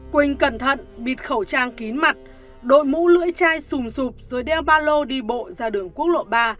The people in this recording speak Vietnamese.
quỳnh cẩn thận bịt khẩu trang kín mặt đôi mũ lưỡi chai xùm xụp rồi đeo ba lô đi bộ ra đường quốc lộ ba